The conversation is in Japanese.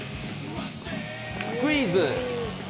スクイズ。